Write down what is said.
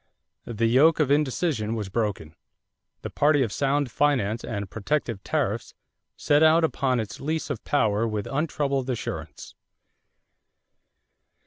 The yoke of indecision was broken. The party of sound finance and protective tariffs set out upon its lease of power with untroubled assurance.